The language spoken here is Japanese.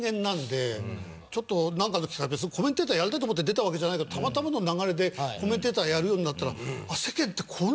ちょっとなんかの機会で別にコメンテーターやりたいと思って出たわけじゃないからたまたまの流れでコメンテーターやるようになったら。